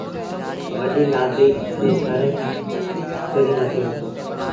وڏيٚ نآديٚ کي کڻي سريٚݩ مٿي رکو۔